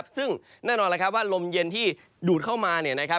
ซึ่งแน่นอนว่าลมเย็นที่ดูดเข้ามา